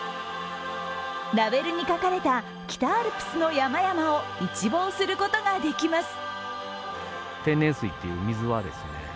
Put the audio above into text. ラベルに描かれた北アルプスの山々を一望することができます。